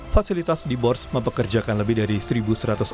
fasilitas di bors mempekerjakan lebih dari seratus juta orang